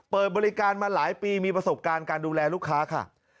เปิดบริการมาหลายปีมีประสบการณ์การดูแลลูกค้าค่ะ